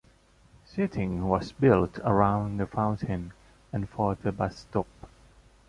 Seating was built around the fountain and for the bus stop.